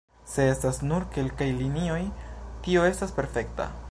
Se estas nur kelkaj linioj, tio estas perfekta.